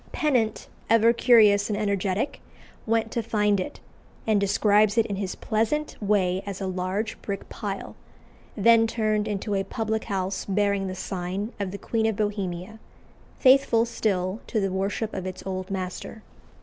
Pennant, ever curious and energetic, went to find it, and describes it in his pleasant way as a "large brick pile," then turned into a public house bearing the sign of the Queen of Bohemia, faithful still to the worship of its old master.